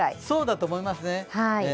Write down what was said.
そうだと思います。